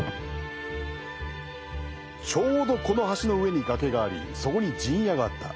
ちょうどこの橋の上に崖がありそこに陣屋があった。